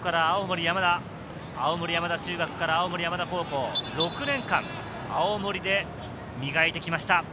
青森山田中学から青森山田高校６年間、青森で磨いてきました。